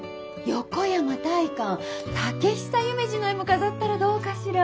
横山大観竹久夢二の絵も飾ったらどうかしら？